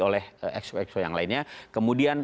oleh expo expo yang lainnya kemudian